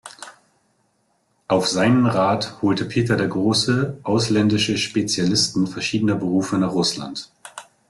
Auf seinen Rat holte Peter der Große ausländische Spezialisten verschiedener Berufe nach Russland.